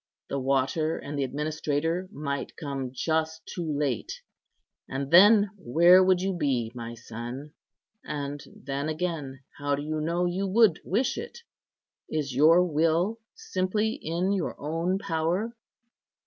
The water and the administrator might come just too late; and then where would you be, my son? And then again, how do you know you would wish it? Is your will simply in your own power?